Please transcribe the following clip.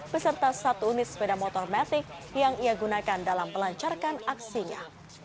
beserta satu unit sepeda motor metik yang ia gunakan dalam pelancarkan aksinya